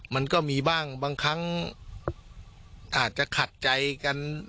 มันก็มีบ้างบางครั้งอาจจะขัดใจกัน